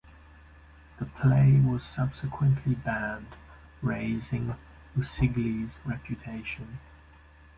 The play was subsequently banned, raising Usigli's reputation.